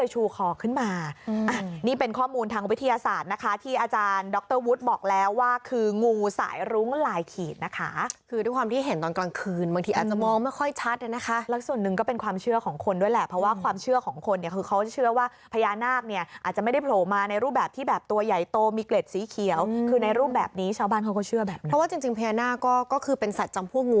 ชูคอขึ้นมานี่เป็นข้อมูลทางวิทยาศาสตร์นะคะที่อาจารย์ดรวุฒิบอกแล้วว่าคืองูสายรุ้งหลายขีดนะคะคือที่ความที่เห็นตอนกลางคืนบางทีอาจจะมองไม่ค่อยชัดเลยนะคะแล้วส่วนหนึ่งก็เป็นความเชื่อของคนด้วยแหละเพราะว่าความเชื่อของคนเนี่ยคือเขาเชื่อว่าพยานาคเนี่ยอาจจะไม่ได้โผล่มาในรูปแบบที่แบบตัว